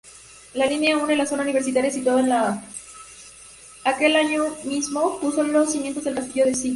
Aquel año mismo puso los cimientos del Castillo de Sligo.